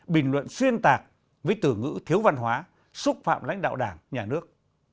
bình luận xuyên tạc với từ ngữ thiếu văn hóa xúc phạm lãnh đạo đảng nhà nước